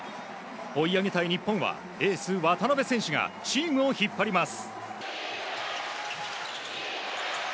追い上げたい日本はエース、渡邊選手がチームを引っ張ります。